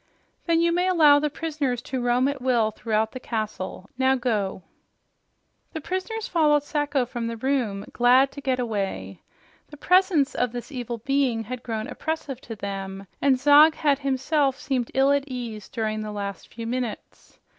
"Then you may allow the prisoners to roam at will throughout the castle. Now, go!" The prisoners followed Sacho from the room, glad to get away. The presence of this evil being had grown oppressive to them, and Zog had himself seemed ill at ease during the last few minutes.